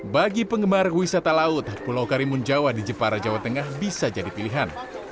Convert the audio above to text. bagi penggemar wisata laut pulau karimun jawa di jepara jawa tengah bisa jadi pilihan